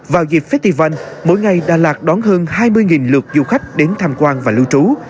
vào dịp festival mỗi ngày đà lạt đón hơn hai mươi lượt du khách đến tham quan và lưu trú